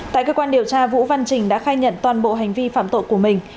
tại cơ quan điều tra vũ văn trình đã khai nhận toàn bộ hành vi phạm tội của mình